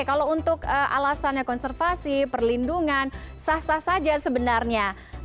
kalau untuk alasannya konservasi perlindungan sah sah saja sebenarnya